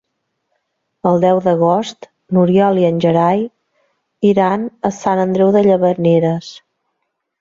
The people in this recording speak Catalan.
El deu d'agost n'Oriol i en Gerai iran a Sant Andreu de Llavaneres.